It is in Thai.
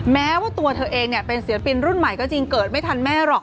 แม้ว่าตัวเธอเองเป็นศิลปินรุ่นใหม่ก็จริงเกิดไม่ทันแม่หรอก